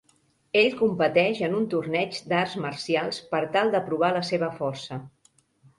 Ell competeix en un torneig d'arts marcials per tal de provar la seva força.